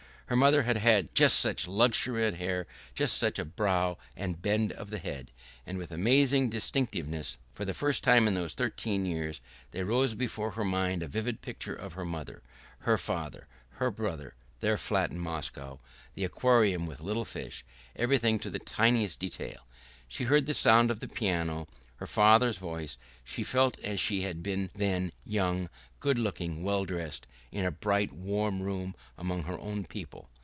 Her mother had had just such luxuriant hair, just such a brow and bend of the head. And with amazing distinctness, for the first time in those thirteen years, there rose before her mind a vivid picture of her mother, her father, her brother, their flat in Moscow, the aquarium with little fish, everything to the tiniest detail; she heard the sound of the piano, her father's voice; she felt as she had been then, young, good looking, well dressed, in a bright warm room among her own people.